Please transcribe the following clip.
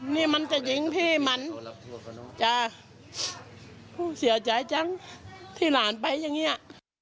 นี่มันจะยิงพี่มันจ้ะผู้เสียใจจังที่หลานไปอย่างเงี้ย